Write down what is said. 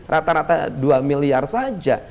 rata rata dua miliar saja